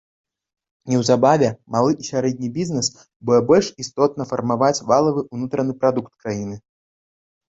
Неўзабаве малы і сярэдні бізнэс будзе больш істотна фармаваць валавы ўнутраны прадукт краіны.